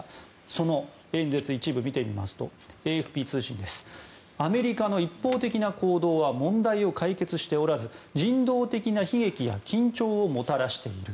その演説を一部見てみますとＡＦＰ通信ですアメリカの一方的な行動は問題を解決しておらず人道的な悲劇や緊張をもたらしている。